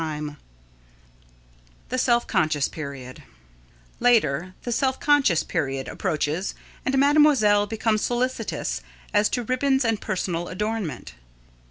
[Sidenote: The Self Conscious Period] Later, the self conscious period approaches and Mademoiselle becomes solicitous as to ribbons and personal adornment.